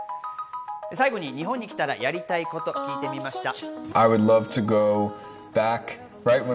最後に日本に来たらやりたいことを聞いてみました。